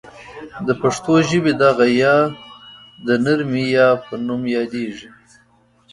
د پښتو ژبې دغه یا ی د نرمې یا په نوم یادیږي.